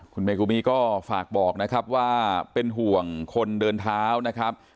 คุณเมกูมีก็ฝากบอกนะครับว่าเป็นห่วงคนเดินเท้านะครับ